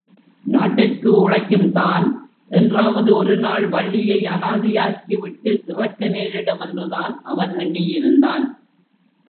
நாட்டிற்கு உழைக்கும் தான் என்றாவது ஒரு நாள் வள்ளியை அனாதையாக்கி விட்டு இறக்க நேரிடும் என்றுதான் அவன் எண்ணிருந்தான்.